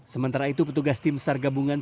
sementara itu petugas tim sargabungan